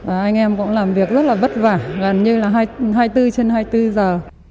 anh em cũng làm việc rất là vất vả gần như là hai mươi bốn trên hai mươi bốn giờ